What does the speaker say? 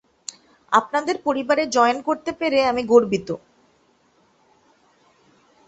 আপনাদের পরিবারে জয়েন করতে পেরে আমি গর্বিত।